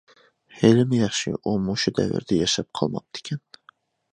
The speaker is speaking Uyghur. ھېلىمۇ ياخشى ئۇ مۇشۇ دەۋردە ياشاپ قالماپتىكەن.